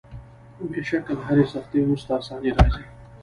بېشکه له هري سختۍ وروسته آساني راځي.